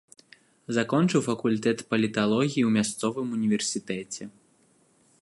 Закончыў факультэт паліталогіі ў мясцовым універсітэце.